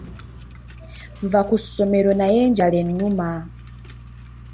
Nva ku ssomero naye enjala ennuma.